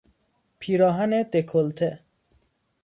پیراهن دکولته